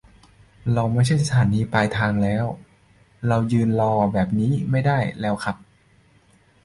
เราไม่ใช่สถานีปลายทางแล้ว เรายืนรอแบบนี้ไม่ได้แล้วครับ